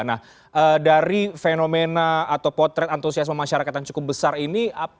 nah dari fenomena atau potret antusiasme masyarakat yang cukup besar ini